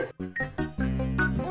ganti yang lain